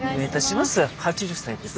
８０歳です。